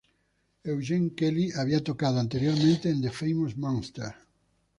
Eugene Kelly había tocado anteriormente en The Famous Monsters.